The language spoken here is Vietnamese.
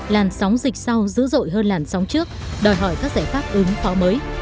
làn sóng dịch sau dữ dội hơn làn sóng trước đòi hỏi các giải pháp ứng phó mới